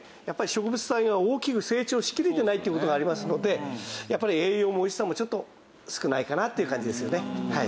やっぱり植物体が大きく成長しきれてないっていう事がありますので栄養もおいしさもちょっと少ないかなっていう感じですよね。